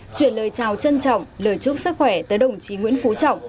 chuyển lời chào trân trọng lời chúc sức khỏe tới đồng chí nguyễn phú trọng